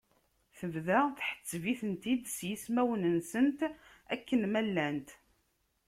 Tebda tḥesseb-itent-id s yismawen-nsent akken ma llant.